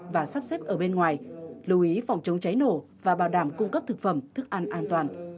và sắp xếp ở bên ngoài lưu ý phòng chống cháy nổ và bảo đảm cung cấp thực phẩm thức ăn an toàn